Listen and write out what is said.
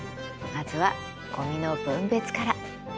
まずはごみの分別から。